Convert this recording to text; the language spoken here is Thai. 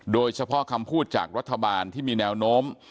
โดยเฉพาะคำพูดจากรัฐบาลที่มีแนวโน้ม